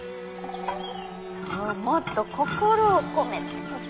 そうもっと心を込めて。